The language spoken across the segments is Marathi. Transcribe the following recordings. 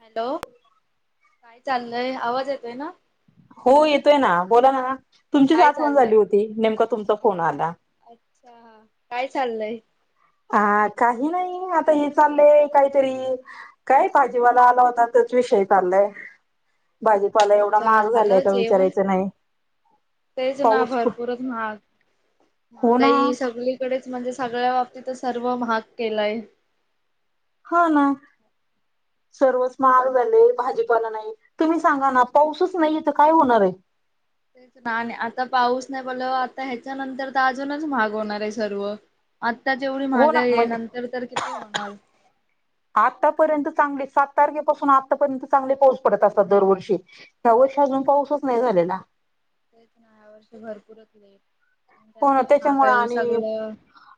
हॅलो, काय चाललय आवाज येतोय ना? हो येतोय ना बोला ना, तुमची काय आठवण चाललंय झाली होती नेमका तुमचा फोन आला. अच्छा, काय चाललय? ह काही नाही आता हे चाललंय काहीतरी काय? भाजीवाला आला होता. विषय चालले. [inaudible] भाजीपाला एवढा अच्छा महाग झालाय झालं का जेवण विचारायचं नाही? तेच ना पाऊस भरपूरच महाग, हो ना महागाई सगळीकडेच म्हणजे सगळ्या बाबतीत सर्व महाग केलाय. हा, ना. सर्वच महाग झाले, भाजीपाला नाही तुम्ही सांगा ना पाऊसच नाही इथं काय होणार हाय? तेच ना, आणि आता पाऊस नाही, पडल्यावर आता ह्याच्यानंतर तर अजूनच महाग होणार आहे सर्व आत्ता जेवढी हो ना महागाही आहे, म्हणजे नंतर तर किती होणार? आतापर्यंत चांगले सात तारखेपासून आतापर्यंत, चांगले पाऊस पडत असतात दरवर्षी- अजून पाऊसच नाही झालेला? तेच ना या वर्ष भरपूरच लेट. आणि होण त्यामुळे त्याच्यामुळे महागाई आणि सगळं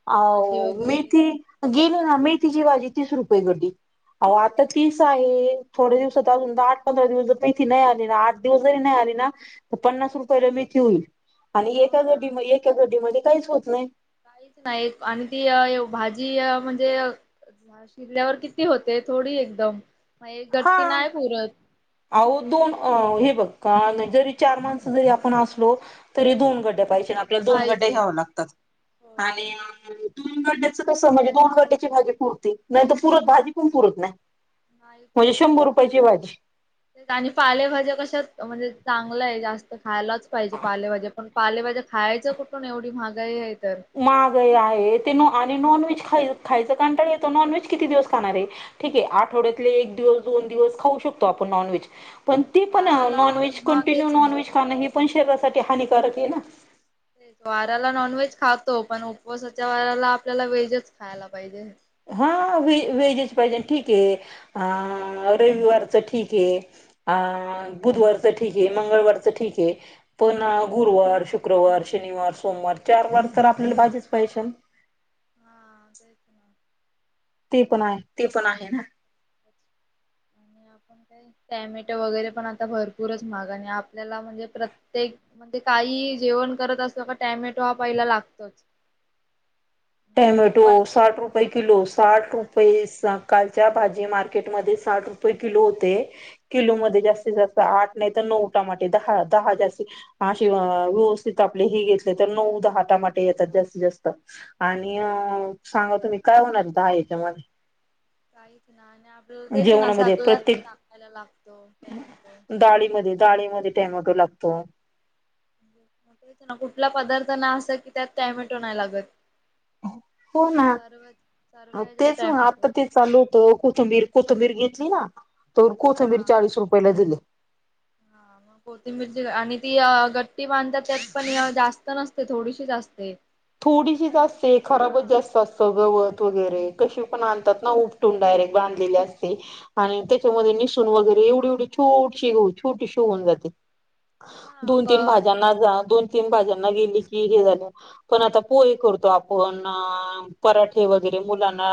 अ भाजी वगैरे मेथी गेली ना मी- तिची भाजी तीस रुपये जुडी. अहो, आता तीस आहे थोडे्या दिवसात अजून दहा, आठ, पंधरा दिवसात जर मेथी नाही आली ना, आठ दिवस जरी नाही आले व्हय ना पन्नास रुपयला मेथी होईल. आणि हो एका मधी ना मग एक मधी काहीच होत नाही. काहीच नाही आणि ती भाजी म्हणजे अ. भाजी शिजल्यावर किती होते? थोडी एकदम हा. ती नाही पुरत अहो दोन हे बघ का जरी चार माणसं जरी आपण असलो तरी दोन गड गड्या पाहिजे आपल्याला दोन गड्या घ्याव्या लागतात हो आणि दोन गड्याचं कसं म्हणजे दोन गड्याची भाजी पुरती, नाहीत पुरत भाजी पण पुरत नाही. नाही म्हणजे शंभर पुरत रुपयाची भाजी. आणि पालेभाज्या कशा म्हणजे चांगलं आहे, जास्त खायलाच पाहिजे, पालेभाज्या पण पाले भाज्या खायच्या कुठून एवढी महागाई आहे. तर महागाई आहे, ते नु आन ते नॉनव्हेज खाय खायचं कंटाळा येतो. नॉनव्हेज किती दिवस खाणार आहे, ठीकए आठवड्यातले एक दिवस दोन दिवस खाऊ शकतो. आपण नॉनव्हेज पण ती पण अ वाराला आपण नॉनव्हेज हा कंटिन्यू तेच ना नॉनव्हेज खाणं, हे पण शरीरासाठी हानिकारक आहे ना? वाऱाला नॉन व्हेज खातो, पण उपवासाच्या वाऱाला आपल्याला व्हेजच खायला पाहिजे. हा व वेजच पाहिजे ठीक ते आ रविवारच ठीकए आ बुधवारच ठीकए मंगळवारच च ठीक आहे पण गुरुवार, शुक्रवार, शनिवार, सोमवार चार वार तर आपल्याला भाजीच पाहिजे. विशाल हा तेच ना ते पण आहे, ती पण आहे ना [inaudible] आणि आपण काय टॅमॅटो वगैरे पण आता भरपूरच महाग आणि आपल्याला म्हणजे प्रत्येकऽऽऽ म्ह ते काहीही जेवण करत असतो का टॅमॅटो हा पहिला लागतोच.. म्हणजे तो टॅमॅटो पण साठ रुपये हा हा किलो, साठ रुपये सकाळच्या भाजी मार्केऽऽऽ र्केट मध्ये साठ रुपये किलो होते. किलो मध्ये जास्तीत जास्त आठ नाही तर नऊ टमाटे दहाऽऽ दहा जास्तीऽऽ अशी अऽऽव्यवस्थित आपले हे घेतले तर नऊ दहा टमाटे येतात जास्तीत जास्त आणि अ सांगा तुम्ही काय होणार दहा याच्यामध्ये? काहीच नाही. आणि आपल्याला तेच ना जेवणामध्ये सगल्यात प्रत्येक टाकायला लागतो टॅमॅटो डाळीमध्ये डाळीमध्ये टॅमॅटो लागतो. तेच ना कुठला पदार्थ नाय असा, कि त्यात टॅमेटो नाय लागत. हो ना, सर्व सर्व अ ह्याच्यात तेच मग, टॅमॅटो आता तेच चालू होतं कोथंबीर. कोथंबीर घेतली ना, तर कोथंबीर हा. चाळीस रुपयाला दिले. हा. कोथिंबिरची आणि ती गट्टी बांधतात, त्यात पण जास्त नसते थोडीशीच असते. ती थोडीशी पण जास्तय,, किती खराबच हा जास्त असत जवळ. वगैरे, कशीपण आणतात ना उपटून डायरेक्ट बांधलेले असते. आणि त्याच्यामध्ये निसून वगैरेऽऽ एवढी एवढी छोटऽऽशी,, छोटीशी होऊन जाते. तेच ना दोन, तीन भाज्यांना. तेच जा दोन, तीन भाज्यांना गेली की हे झालेऽऽ पण आता पोहे करतो आपण, ऽऽ पराठे वगैरे मुलांना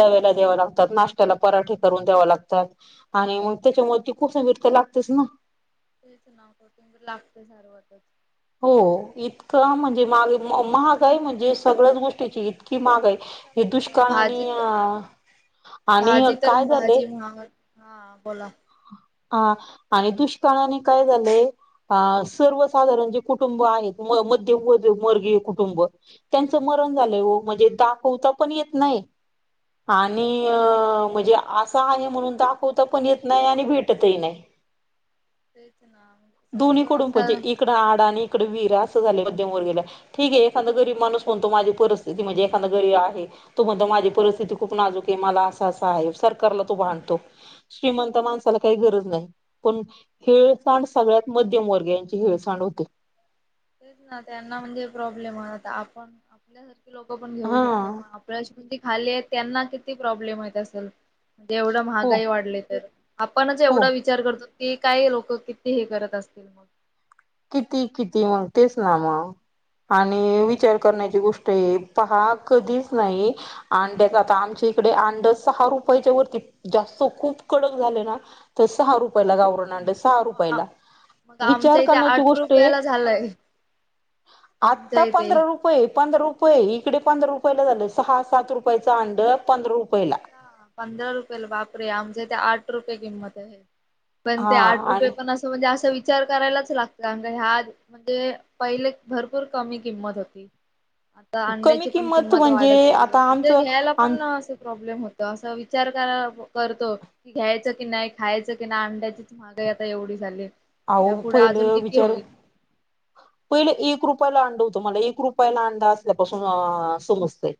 दब्याला द्यावा लागतो. नाश्याला पराठे करून द्याव लागतात,, आणि मग त्याच्यामुळे ती कोथिंबीर तर लागतेच ना. [inaudible] हो, इतकं म्हणजे मागे ऽऽमहागाय म्हणजे सगळ्याच गोष्टी इतक्या कि मागय हे दुष्काळनी भाजीत अं हा भाजी तर भाजी हा बोला. ह, आणि दुष्काळाने काय झालेय सर्वसाधारण अंज कुुटुंब आहेत म मध्यम वर्गीय कुटुंब त्यांच मरण झालंय ओ म्हणजे दाखव. त पण येत नाही. आणि ऽऽऽम्हणजे असं आहे म्हणून दाखवता पण येत नाही, आणि भेटतही नाही. दोन्हीकडून म्हणजे इकडं आड आणि [inaudible] इकडे वररा असं झालंय मध्यमवर्गीला,, ठीक आहे एखादा गरीब माणूस म्हणतो माझी परिस्थिती म्हणजे एखादा गरीब आहे. तू म्हणतो माझी परिस्थिती खूप नाजूक आहे मला असं, असं आहे. सरकारला तो भांडतो. श्रीमंत माणसाला काही गरज नाही... पण हेिळसांड,, सगळ्यात मध्यम वर्गीयाची हिळसांड होते. तेच ना त्यांना म्हणजे प्रॉब्लेम आहे आता आपण आपल्यासारख लोक पण घेऊ हा शकतो. परीस्थिती खाली आहे त्यांना किती प्रॉब्लेम येत असल. एवढं हो महागाई वाढले तर आपणच एवढा हो. विचार करतो. की काय लोक किती हे करत असतील मग. किती, किती मग तेच ना मग, आणि विचार आपण करण्याची गोष्ट े या पहा कधीच नाही, अंड्याच आता आमच्या इकडे अंड सहा रुपयाच्या वरती जास्त खूप. कडक झाले ना,, तर सहा रुपयला गावरान अंड सहा अ आ रुपयला मग आमच्या विचार इथे करण्याची आठ गोष्टय रुपयाला झालंय आमच्या आता पंध इथे. रुपये पंधरा रुपये. इकडे पंधरा रुपये झालं,,, सहा, सात रुपयाचं अंड पंधरा रुपय पंधरा रुपयेला, बापरे!, आमच्या इथे ते आठ रुपये किंमत या. पण ते हा आठ रुपये आणि पण असं म्हणजे अस विचारऽऽ विचार करायलाच लागत,, ह्या म्हणजे पहिले भरपूर कमी किंमत होती. आता कमी अंड्याची पण किंमत वाढत म्हणजे चालली,, आता म्हणजे आमचं घ्यायला आम पणऽऽ अस विचार करतो की घ्यायच की नाही, खायच की नाही, अंड्याची माहागाईऽऽ एवढी झाली. आवो ह्या पुढे अजून पहिलं किती विचार होईल? पहिले एक रुप रला अंड होत मला एक रुपयाला अंडा असल्यापासून समजते.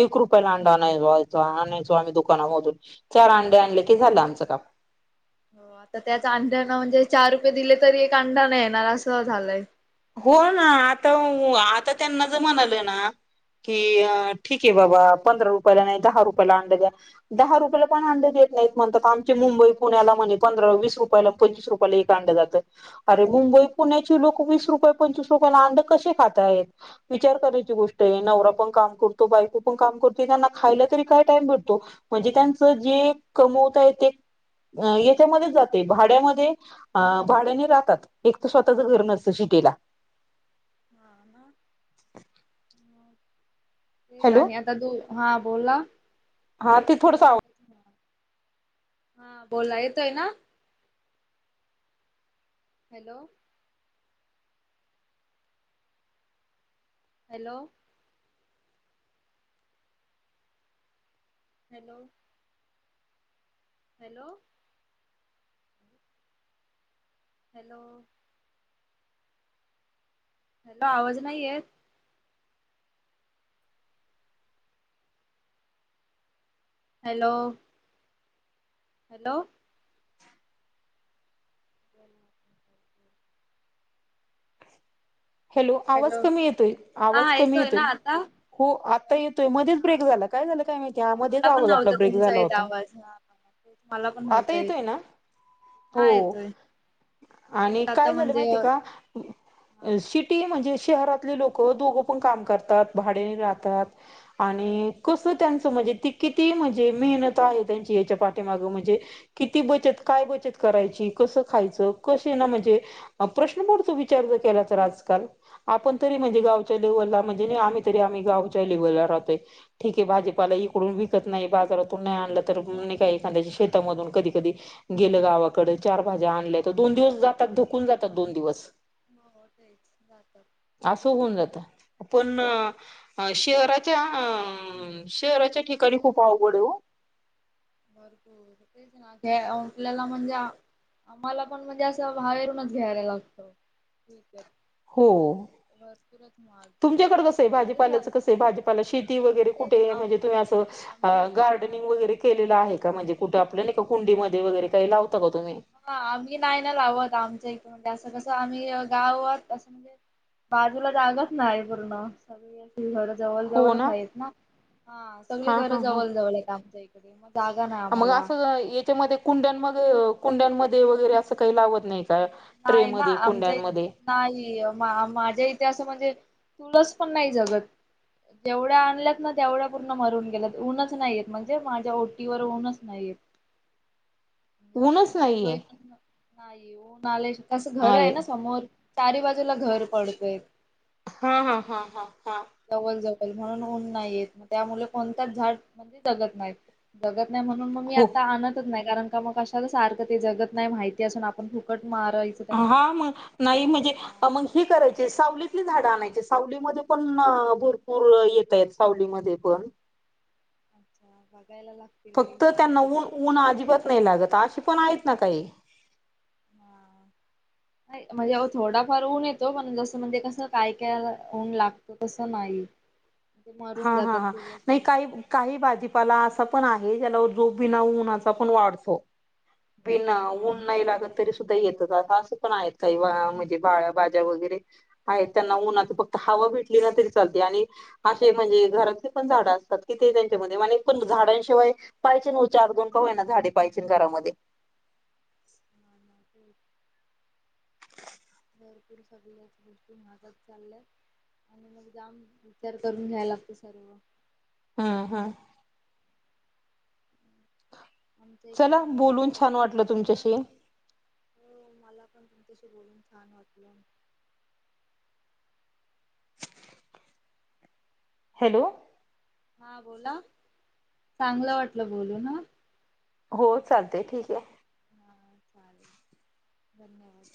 एक रुपयाला अंडा आणायचो आणायचो आम्ही दुकानामधून चार अंडे आणले की झालं आमचं काम. ह. हो आता त्याच अंड्यांना म्हणजे चार रुपये दिले तरी एक अंडा नाही येणार असं झालंय. हो ना आता आता त्यांना ज म्हणालं ना. कि ठीक आहे बाबा पंधरा रुपयाला नाही दहा रुपयाला अंड द्या दहा रुपयाला पण अंड द्या. देत नाही म्हणतात आमचे मुंबई पुण्याला म्हंणे वीस रुपयला पंचवीस रुपयाला एक अंड जात अरे मुंबई पुण्याची लोक वीस. वीस रुपय पंचवीस रुपयाने अंडे कसे खाताय विचार करायची गोष्टाय नवरा पण काम करतो बायको पण त्यांना खायला तर काय टाईम भेटतो म्हणजे त्यांच जे कमतय ते अ याच्यामध्येच जाते भाड्यामध्ये अ भाड्याने राहतात एक तर स्वतःच घर नसतं शिटीला. ह ना. हॅलो ते आता तू हा बोला हा ते थोडसा सार आव हा बोला येतोय ना. Hello. Hello hello hello hello आवाज नाही येत हॅलो हॅलो हम् हॅलो आवाज कमी येतोय हा आवाज कमी येतोय ना आता हो आता येतोय मध्येच हा ब्रेक झाला काय झालं काय माहितीय मध्येच मला आवज आपला ब्रेक झाला होता म्ला पण आता नव्हता येत येतोय ना हा हो येतोय आणि तेच आता काय झालं म्हणजे माहिती का हा म्हणजे शहरात लोक दोघ पण काम करतात भाड्याने राहतात आणि कस त्यांच म्हणजे किती म्हणजे मेहनत आहे त्यांची पाठीमागे म्हणजे किती बचत म्हणजे काय किती बचत करायची कस खायच काय ना म्हणजे प्रश्न पडतो विचार जर केला तर आज काल आपण तरी म्हणजे तेच गावच्या लेवला म्हणजे आम्हीतरी आम्ही गावच्या लेवलला रहातोय ठीकय भाजीपाला इकडून विकत नाई बाजारातून विकत नाई आणला काय एखाद्या शेतामधून कधी कधी गेलं गावाकड चार भाज्या आणल्या तर दोन दिवस जात ुकून जातात दोन दिवस ब असं होऊन जातं पण शहराच्या अ शहराच्या ठिकाणी खूप अवघड आहे हो आपल्याला म्हणजे आ आम्हाला पण म्हणजे असं बाहेरूनच घ्यायला लागत हो त माार तुमच्याकड कसं आहे भाजीपाल्याचं कसं आहे भाजीपाला शेती वगैरे कुठे म्हणजे तुम्ही असं आम्ही गार्डन गार्डन वगैरे केलेल आहे का म्हणजे कुठ आप हा आम्ही नाही ना लावत आमच्या इथ असं कस आम्ही गावात असं म्हणजे बाजूला जागत नाही पूर्ण सगळे घर जवळ जवळच आहेत ना ह सगळी हा घर हा हा जवळ जवळ आहेत आमच्या जागा नाय आम्हाला त्याच्यामध्ये कुंड्यांमध्ये कुंड्यांमध्ये वगैरे असं काही लावत नाही का ट्रे नाही ना मध्ये आमच्या इथ कुंड्यांमध्ये नाही माझ्या इथ अस म्हणजे तुलाच पण नाही जगत. जेवढ्या आणल्यात ना तेवढ्या पूर्ण मरून गेल्यात ऊनच नाहीयेत म्हणजे माझ्या ओटीवर ऊनच नाहीयेत. [inaudible] म्हणजे ऊनच उन्हाना शिवाय नाहीये. पण नाही ऊन आल्या तसं घर आहे अरे ना समोर - चारी बाजूला घर पडतोय. हां हां हां हां हां जवळ जवळ म्हणून ऊन नाही येत म त्या मु कोणत्याच झाड म जगत नाही जगत - नाही म्हणून मग मी हो आता आणतच नाही कारण का मग कशाला सारखं ते जगत नाही माहिती असून आपण खू - हा मग नाही म्हणजे हा मग हे करायची सावली - किली झाडं आणायचे सावलीमध्ये पण भरपूर येतय सावलीमध्ये पण - [unintelligible] बाकी फक्त त्यांना ऊन- ऊन अजिबात नाही लागत अशी पण आहेत ना काही! हां म्हणजे अ थोडाफार ऊन येतो पण जसं म्हणजे कसं काय काय ऊन लागतो तसं नाही. हम्म हा हा हा नाही काही काही भाजीपाला असा पण आहे. लई झालं ओ झोप येईना ऊन असा पण वाढतो पण हा. ऊन हा नाही लागत तरी सुद्धा सुद्धा येत असं पण आहेत काही म्हणजे बाळ्याबाज्या वगैरे - आहेत त्यांना उन्हाची फक्त हवा भेटली ना तरी चालते आणि - असे म्हणजे घरातली पण झाडं असतात कि ते त्यांच्यामध्ये पण झाडांशिवाय पाहिज नव्हती अजून का ओ - ना झाडे पाहिजे घरामध्ये [inaudible] भरपूर सगळ्याच गोष्टी महाग होत चालल्यात आणि मग जाम विचार करून घ्यायला लागत सर्व हा -हा आमच्या इकडे चला पण बोलून टामॅटो छान वाटलं ह तुमच्याशी हो मला पण तशी बोलून छान वाटलं! हॅलो हा बोला चांगलं वाटलं बोलू ना - हो चालते ठीक आहे. हा चालेल धन्यवाद.